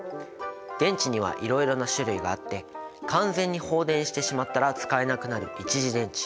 電池にはいろいろな種類があって完全に放電してしまったら使えなくなる一次電池。